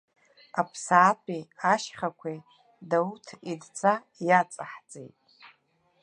Аԥсаатәи, ашьхақәеи Дауҭ идҵа иаҵаҳҵеит.